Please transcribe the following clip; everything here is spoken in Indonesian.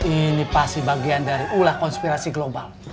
ini pasti bagian dari ulah konspirasi global